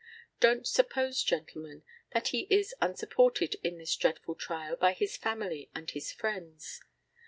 Don't suppose, gentlemen, that he is unsupported in this dreadful trial by his family and his friends.